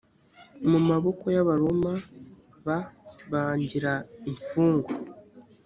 mu maboko y abaroma b bangira imfungwa